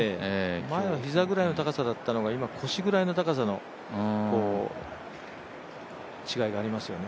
前は膝ぐらいの高さだったのが今、腰ぐらいの高さの違いがありますよね。